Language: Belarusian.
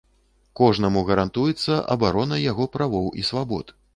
Кожнаму гарантуецца абарона яго правоў і свабод.